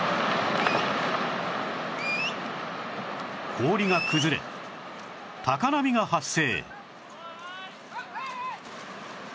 氷が崩れ高波が発生